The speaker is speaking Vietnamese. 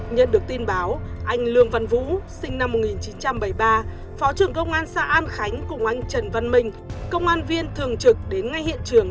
nhận được tin báo anh lương văn vũ sinh năm một nghìn chín trăm bảy mươi ba phó trưởng công an xã an khánh cùng anh trần văn minh công an viên thường trực đến ngay hiện trường